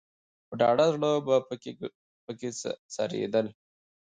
په ډاډه زړه به په کې څرېدل.